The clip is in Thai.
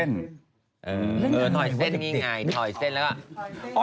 เออถอยเส้นนี่ไงถอยเส้นแล้วก็